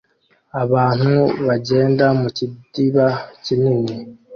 Abantu bagenda mu kidiba kinini